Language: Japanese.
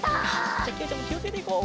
じゃあきほちゃんもきをつけていこう。